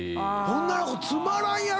女の子つまらんやろ